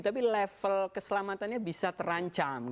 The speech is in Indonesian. tapi level keselamatannya bisa terancam